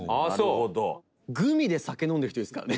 北山：グミで酒飲んでる人ですからね。